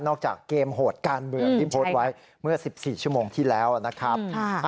จากเกมโหดการเมืองที่โพสต์ไว้เมื่อ๑๔ชั่วโมงที่แล้วนะครับ